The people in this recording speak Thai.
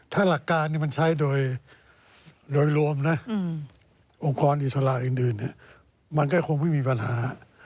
ถ้าหลักการนี้มันใช้โดยรวมนะองค์กรอิสระอื่นมันก็คงไม่มีปัญหา